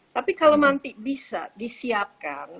tapi kalau nanti bisa disiapkan